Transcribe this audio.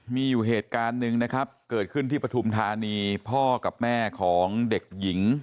มีอยู่เหตุการณ์หนึ่งนะครับเกิดขึ้นที่ปฐุมธานีพ่อกับแม่ของเด็กหญิง